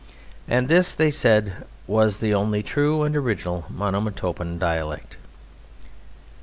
And this they said was the only true and original Monomotopan dialect.